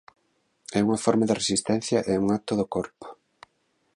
É unha forma de resistencia e un acto do corpo.